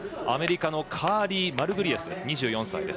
アメリカのカーリー・マルグリエス、２４歳。